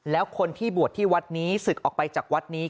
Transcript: แล้วคนที่บวชที่วัดนี้ศึกออกไปจากวัดนี้